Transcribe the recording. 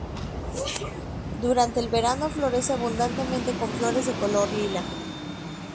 Durante el verano florece abundantemente con flores de color lila.